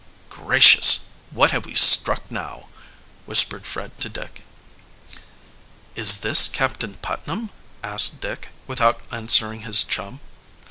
"Gracious, what have we struck now?" whispered Fred to Dick. "Is this Captain Putnam?" asked Dick, without answering his chum.